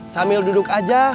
sambil duduk aja